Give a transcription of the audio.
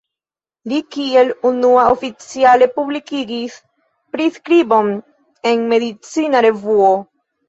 Li kiel unua oficiale publikigis priskribon en medicina revuo.